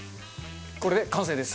これで完成です。